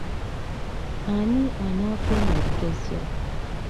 Ani anaakuuma ebigezo?